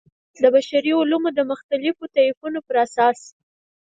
د بشري علومو مختلفو طیفونو پر اساس.